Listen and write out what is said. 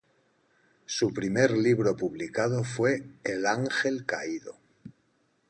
Su primer libro publicado fue "El ángel caído.